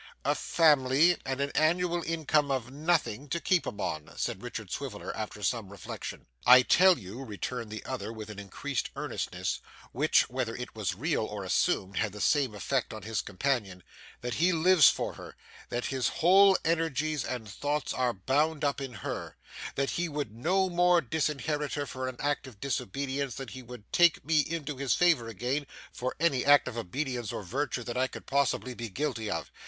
'A family and an annual income of nothing, to keep 'em on,' said Richard Swiveller after some reflection. 'I tell you,' returned the other with an increased earnestness, which, whether it were real or assumed, had the same effect on his companion, 'that he lives for her, that his whole energies and thoughts are bound up in her, that he would no more disinherit her for an act of disobedience than he would take me into his favour again for any act of obedience or virtue that I could possibly be guilty of.